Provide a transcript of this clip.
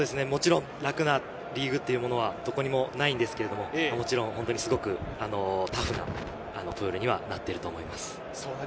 もちろん、楽なリーグというものはどこにもないんですけれど、本当にすごくタフなプールにはなっていると思います。